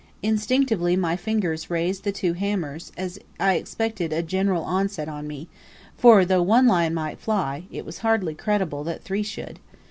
Instinctively my fingers raised the two hammers, as I expected a general onset on me; for though one lion might fly, it was hardly credible that three should.